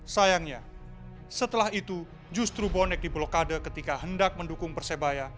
sayangnya setelah itu justru bonek di blokade ketika hendak mendukung persebaya